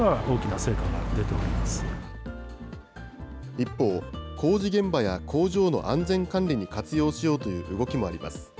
一方、工事現場や工場の安全管理に活用しようという動きもあります。